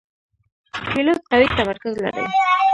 پیلوټ قوي تمرکز لري.